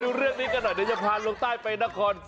ดูเรื่องนี้กันหน่อยจะพาลงไปนัคฮอล๔